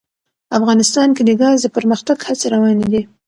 افغانستان کې د ګاز د پرمختګ هڅې روانې دي.